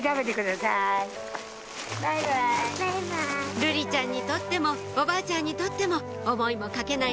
瑠璃ちゃんにとってもおばあちゃんにとっても思いもかけない